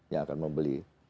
yang akan membeli